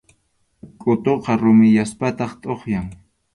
Qʼutuqa rumiyaspataq tʼuqyan.